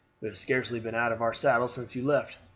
We have scarcely been out of our saddles since you left.